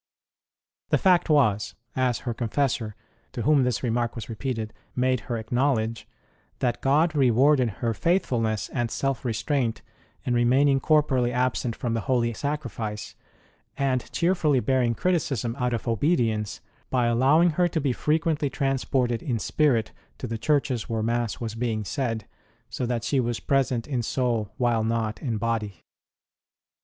The fact was as her confessor, to whom this HER GARDEN CELL IOQ remark was repeated, made her acknowledge that God rewarded her faithfulness and self restraint in remaining corporally absent from the Holy Sacrifice, and cheerfully bearing criticism out of obedience, by allowing her to be frequently transported in spirit to the churches where Mass was being said, so that she was present in soul while not in body.